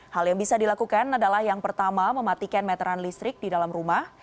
hal yang bisa dilakukan adalah yang pertama mematikan meteran listrik di dalam rumah